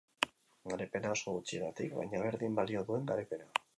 Garaipena, oso gutxigatik, baina berdin balio duen garaipena.